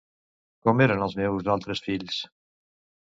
Com eren els seus altres fills?